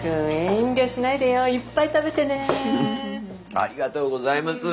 ありがとうございます。